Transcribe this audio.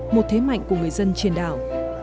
một thế mạnh của người dân trên đảo